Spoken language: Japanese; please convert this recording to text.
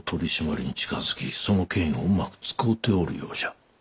その権威をうまく使うておるようじゃ。